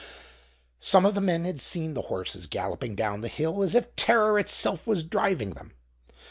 Some of the men had seen the horses galloping down the hill as if terror itself was driving them.